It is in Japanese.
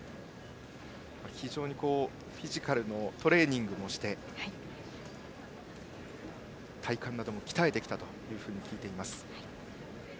非常にフィジカルのトレーニングもして体幹なども鍛えてきたと聞いています。